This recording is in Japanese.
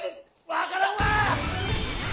わからんわ！